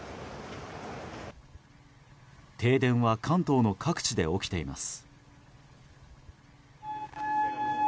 停電は関東の各地で起きています。